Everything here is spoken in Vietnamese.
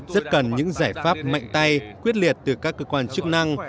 rất cần những giải pháp mạnh tay quyết liệt từ các cơ quan chức năng